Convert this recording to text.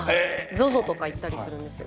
ＺＯＺＯとか行ったりするんですよ。